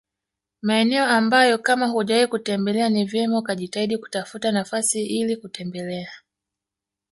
Maeneo ambayo kama hujawahi kutembelea ni vyema ukajitahidi kutafuta nafasi ili kutembelea